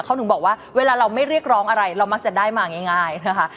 เขาถึงบอกว่าเวลาเราไม่เรียกร้องอะไรเรามักจะได้มาง่ายนะคะ